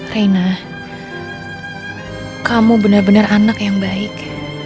raina kamu benar benar anak yang baik